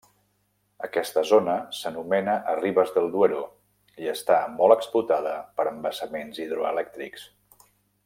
Aquesta zona s'anomena Arribes del Duero i està molt explotada per embassaments hidroelèctrics.